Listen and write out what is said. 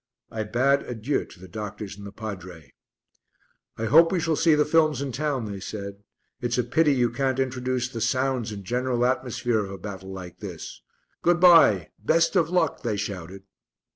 I bade adieu to the doctors and the padre. "I hope we shall see the films in town," they said. "It's a pity you can't introduce the sounds and general atmosphere of a battle like this. Good bye, best of luck!" they shouted.